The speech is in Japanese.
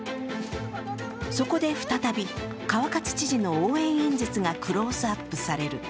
そこで再び川勝知事の応援演説がクローズアップされる。